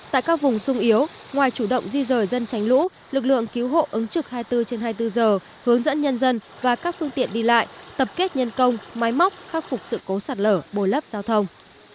tại các vùng sung yếu ngoài chủ động di rời dân tránh lũ lực lượng cứu hộ ứng trực hai mươi bốn trên hai mươi bốn giờ hướng dẫn nhân dân và các phương tiện đi lại tập kết nhân công máy móc khắc phục sự cố sạt lở bồi lấp giao thông